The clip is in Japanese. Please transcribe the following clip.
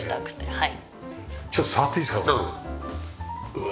はい。